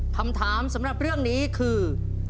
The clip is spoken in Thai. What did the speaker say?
คำถามสำหรับเรื่องนี้คือ